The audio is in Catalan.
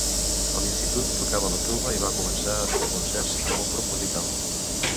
A l'institut tocava la tuba i va començar a fer concerts amb un grup musical.